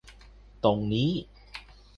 ตรงนี้